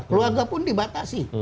keluarga pun dibatasi